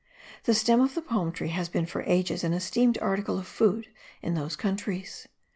The stem of the palm tree has been for ages an esteemed article of food in those countries.